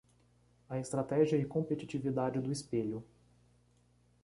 A estratégia e competitividade do espelho